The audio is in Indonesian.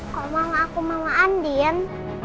kok mama aku mama andien